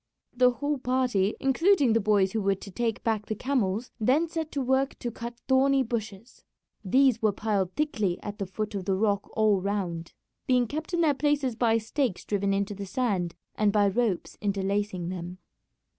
The whole party, including the boys who were to take back the camels, then set to work to cut thorny bushes. These were piled thickly at the foot of the rock all round, being kept in their places by stakes driven into the sand and by ropes interlacing them.